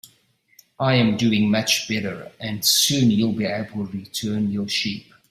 I'm doing much better, and soon you'll be able to return to your sheep.